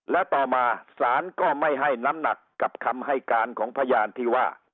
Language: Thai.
และต่อมาศาลก็ไม่ให้น้ำหนักกับคำให้การของพยานที่ว่า